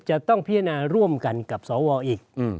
จะต้องพิจารณาร่วมกันกับสวอีก